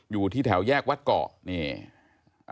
อยู่ที่แถวแยกวัดเกาะนี่